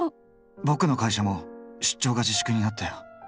ボクの会社も出張が自粛になったよ。